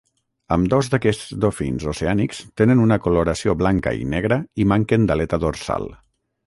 Ambdós d'aquests dofins oceànics tenen una coloració blanca i negra i manquen d'aleta dorsal.